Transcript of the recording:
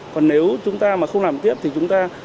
còn nếu chúng ta mà không làm tiếp thì chúng ta